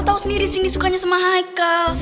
lo tau sendiri sini sukanya sama haikal